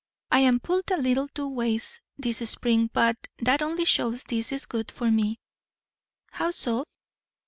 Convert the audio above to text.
I am pulled a little two ways this spring but that only shows this is good for me." "How so?"